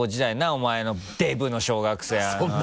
お前のデブの小学生あの。